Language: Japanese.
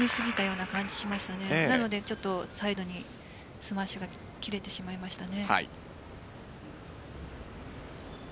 なのでサイドにスマッシュが切れてしまいましたね。